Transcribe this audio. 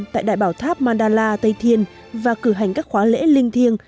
tại đại bảo tháp mandala tây thiên và cử hành các khóa lễ linh thiêng